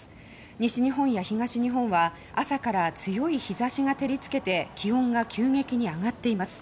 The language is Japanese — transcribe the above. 西日本や東日本は朝から強い日差しが照りつけて気温が急激に上がっています。